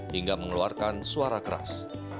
hingga mengeluarkan suara keras